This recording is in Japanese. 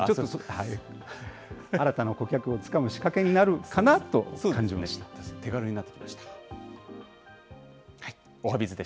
新たな顧客をつかむ仕掛けになる手軽になってました。